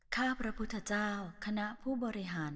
ข้าพระพุทธเจ้าคณะผู้บริหาร